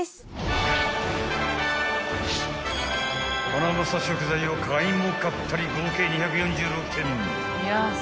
［ハナマサ食材を買いも買ったり合計２４６点］